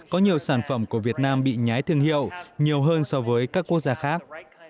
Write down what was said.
có nhiều sản phẩm của việt nam bị nhái thương hiệu nhiều hơn so với các quốc gia khác